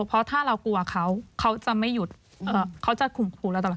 เพราะถ้าเรากลัวเขาเขาจะไม่หยุดเขาจะข่มขู่เราตลอด